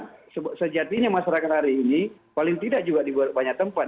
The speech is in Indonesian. karena sejatinya masyarakat hari ini paling tidak juga di banyak tempat